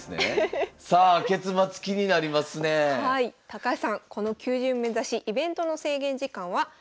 高橋さんこの９０面指しイベントの制限時間は３時間。